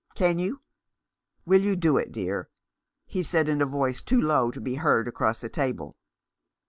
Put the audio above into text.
Can you ? Will you do it, dear ?" he said, in a voice too low to be heard across the table.